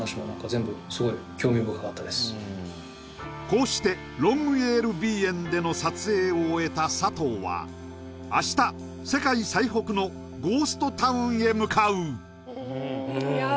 こうしてロングイェールビーエンでの撮影を終えた佐藤は明日世界最北のゴーストタウンへ向かういやあ